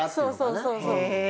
そうそうそうそう。